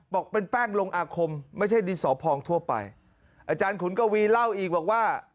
บอกเป็นแป้งลงอาคมไม่ใช่ดินสอพองทั่วไปอาจารย์ขุนกวีเล่าอีกบอกว่า